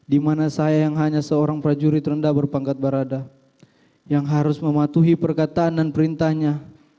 di mana saya yang hanya seorang prajurit rendah berpangkat barada yang harus mematuhi perkataan dan perintahnya